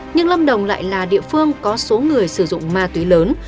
nhưng lâm đồng lại là địa phương có số người sử dụng ma túy lớn